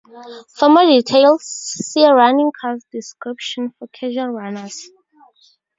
For more details, see a running course description for casual runners.